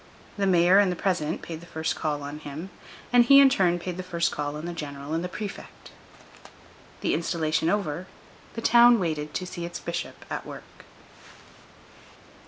The mayor and the president paid the first call on him, and he, in turn, paid the first call on the general and the prefect. The installation over, the town waited to see its bishop at work.